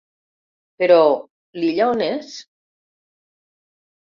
Però l'Illa on és?